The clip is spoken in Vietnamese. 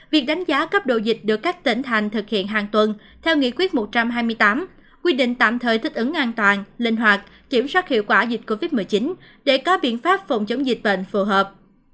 việc đánh giá cấp độ dịch được các tỉnh thành thực hiện hàng tuần theo nghị quyết một trăm hai mươi tám quy định tạm thời thích ứng an toàn linh hoạt kiểm soát hiệu quả dịch covid một mươi chín để có biện pháp phòng chống dịch bệnh phù hợp